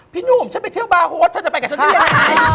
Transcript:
พี่หนุ่มฉันไปเที่ยวบาร์โฮสเธอจะไปกับฉันได้ยังไง